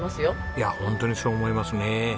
いやホントにそう思いますね。